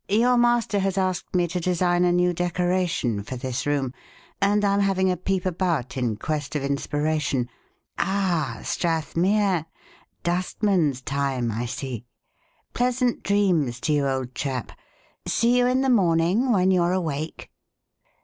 "Your master has asked me to design a new decoration for this room, and I'm having a peep about in quest of inspiration. Ah, Strathmere, 'Dustman's time,' I see. Pleasant dreams to you, old chap. See you in the morning when you're awake."